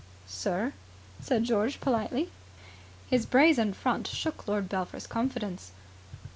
"Sir?" said George politely. His brazen front shook Lord Belpher's confidence.